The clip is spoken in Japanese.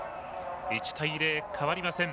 １対０、変わりません。